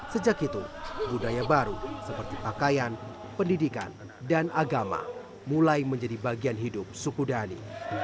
sejak itu budaya baru seperti pakaian pendidikan dan agama mulai menjadi bagian hidup suku dhani